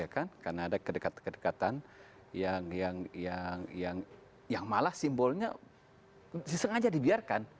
karena ada kedekatan kedekatan yang malah simbolnya disengaja dibiarkan